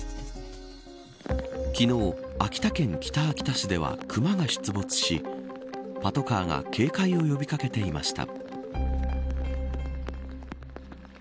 昨日、秋田県北秋田市ではクマが出没しパトカーが警戒を呼び掛けていました。